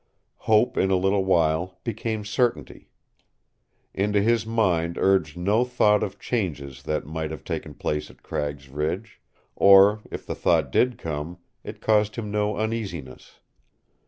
Hope in a little while became certainty. Into his mind urged no thought of changes that might have taken place at Cragg's Ridge; or, if the thought did come, it caused him no uneasiness.